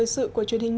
người dân pháp quân nga